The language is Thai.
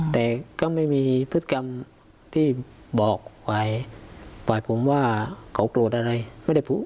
แต่ก็ไม่มีพฤษกรรมที่บอกไว้ไว้ภูมิว่าเขาโกรธอะไรไม่ได้พูด